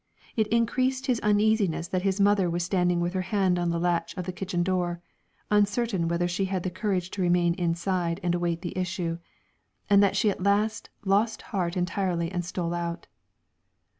It increased his uneasiness that his mother was standing with her hand on the latch of the kitchen door, uncertain whether she had the courage to remain inside and await the issue, and that she at last lost heart entirely and stole out.